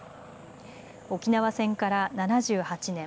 沖縄戦から７８年。